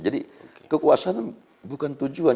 jadi kekuasaan bukan tujuan